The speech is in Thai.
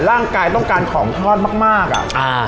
ร่างกายต้องการของทอดมากอ่ะ